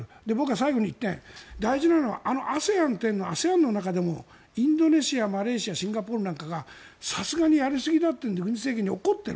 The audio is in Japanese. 最後に１点、大事なのはＡＳＥＡＮの中でもインドネシア、シンガポールマレーシアなんかがさすがにやりすぎだというので軍事政権に怒っている。